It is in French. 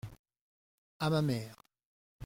À ma mère.